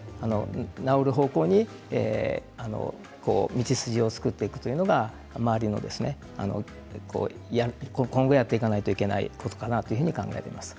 治る方向に道筋を作っていくということが今後やっていかなくてはいけないことかなと思います。